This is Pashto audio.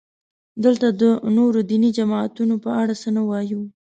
دلته د نورو دیني جماعتونو په اړه څه نه وایو.